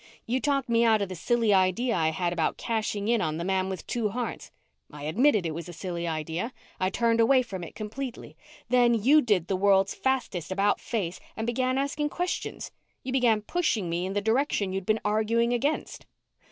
You talked me out of the silly idea I had about cashing in on the man with two hearts. I admitted it was a silly idea. I turned away from it completely. Then you did the world's fastest about face and began asking questions. You began pushing me in the direction you'd been arguing against."